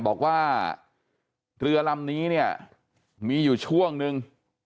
บอกว่าเรือลำนี้เนี่ยมีอยู่ช่วงนึง